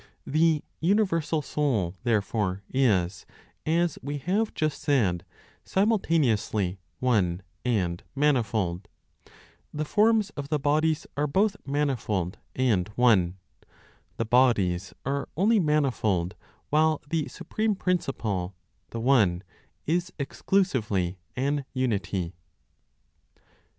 The (universal) Soul, therefore, is (as we have just said) simultaneously one and manifold; the forms of the bodies are both manifold and one; the bodies are only manifold; while the supreme Principle (the One), is exclusively an unity.